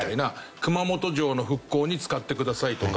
熊本城の復興に使ってくださいとか。